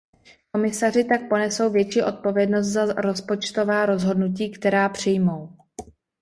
Komisaři tak ponesou větší odpovědnost za rozpočtová rozhodnutí, která přijmou.